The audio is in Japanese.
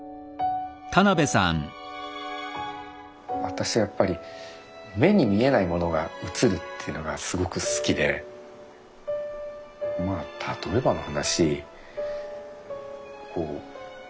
私はやっぱり目に見えないものが映るっていうのがすごく好きでまあ例えばの話弟が何を考えているかとかって